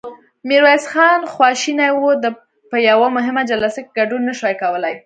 ميرويس خان خواشينی و، ده په يوه مهمه جلسه کې ګډون نه شوای کولای.